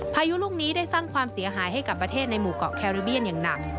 พายุลูกนี้ได้สร้างความเสียหายให้กับประเทศในหมู่เกาะแคริเบียนอย่างหนัก